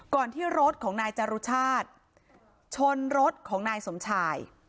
ที่รถของนายจรุชาติชนรถของนายสมชาย